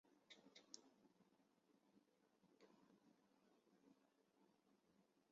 有纪录的最大雌性钻纹龟体长恰好超过。